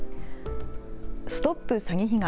ＳＴＯＰ詐欺被害！